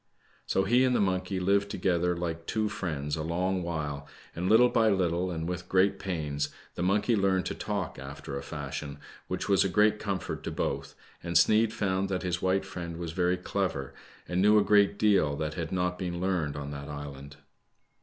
So he and the monkey lived together like i^o friends a long, while, and little by little, and'^^with great • pains, the monkey learned to talk after a fashion, which was a great comfort to both, and Sneid found that his white friend was very clever, and knew a great deal that had not been learned on that island.